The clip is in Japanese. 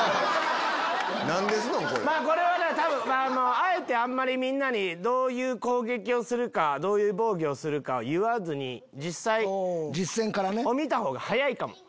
あえてあんまりみんなにどういう攻撃をするかどういう防御をするか言わずに実際見た方が早いかも。